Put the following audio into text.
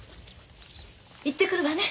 行ってくるわね。